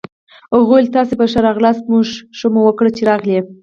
هغوی وویل: تاسي په ښه راغلاست، ښه مو وکړل چي راغلئ.